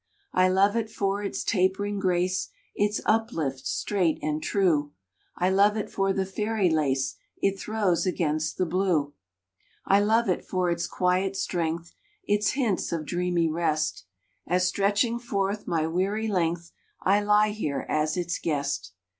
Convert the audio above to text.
I love it for its tapering grace, Its uplift straight and true. I love it for the fairy lace It throws against the blue. I love it for its quiet strength, Its hints of dreamy rest, As stretching forth my weary length I lie here as its guest.